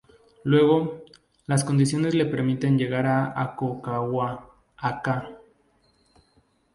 Luego, las condiciones le permiten llegar al Aconcagua a ca.